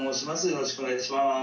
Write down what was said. よろしくお願いします。